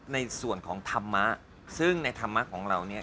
ในส่วนของธรรมะซึ่งในธรรมะของเราเนี่ย